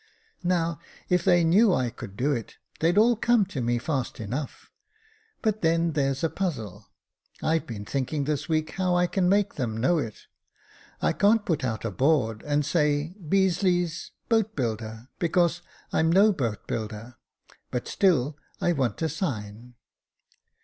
Now, if they knew I could do it, they'd all come to me fast enough ; but then there's a puzzle ; Fve been thinking this week how I can make them know it. I can't put out a board and say, Beazeley, Boat builder, because I'm no boat builder, but still I want a sign."